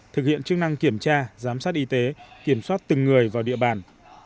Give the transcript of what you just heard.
thực hiện chức năng kiểm tra giám sát y tế kiểm soát từng người vào địa bàn